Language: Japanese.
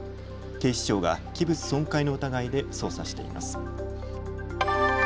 警視庁が器物損壊の疑いで捜査しています。